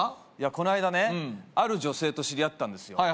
この間ねある女性と知り合ったんですよ